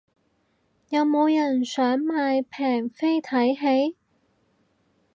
有冇人想買平飛睇戲